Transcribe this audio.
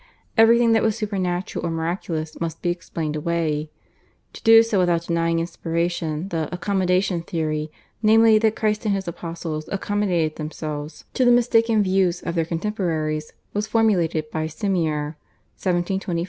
Everything that was supernatural or miraculous must be explained away. To do so without denying inspiration the "Accommodation" theory, namely that Christ and His apostles accommodated themselves to the mistaken views of their contemporaries, was formulated by Semler (1725 1791).